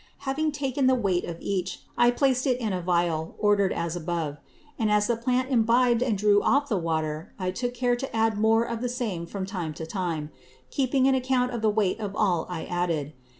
Having taken the weight of each, I placed it in a Vial, order'd as above; and as the Plant imbib'd and drew off the Water, I took care to add more of the same from time to time, keeping an Account of the weight of all I added.